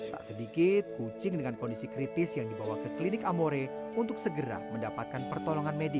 tak sedikit kucing dengan kondisi kritis yang dibawa ke klinik amore untuk segera mendapatkan pertolongan medis